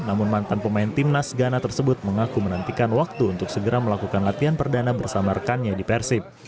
namun mantan pemain timnas ghana tersebut mengaku menantikan waktu untuk segera melakukan latihan perdana bersama rekannya di persib